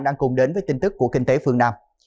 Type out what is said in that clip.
đang cùng đến với tin tức của kinh tế phương nam